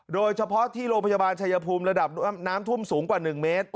โดยเฉพาะที่โรงพยาบาลชายภูมิระดับน้ำท่วมสูงกว่า๑เมตร